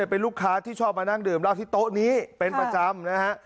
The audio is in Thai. เป็นลูกค้าที่ชอบมานั่งดื่มเหล้าที่โต๊ะนี้เป็นประจำนะฮะ